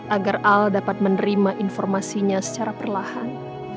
agar al dapat menerima informasinya secara perlahan